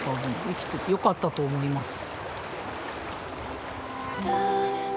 生きててよかったと思います。